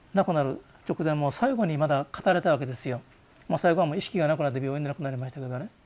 最後はもう意識がなくなって病院で亡くなりましたけどね。